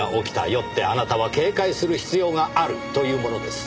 よってあなたは警戒する必要があるというものです。